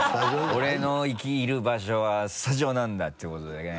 俺の生きる場所はスタジオなんだていうことでね。